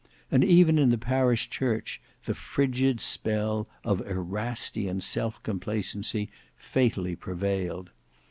And even in the parish church the frigid spell of Erastian self complacency fatally prevailed.